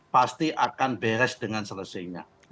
pasti akan beres dengan selesainya